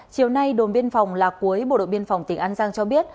chiều nay đồn biên phòng lạc cuối bộ đội biên phòng tỉnh an giang cho biết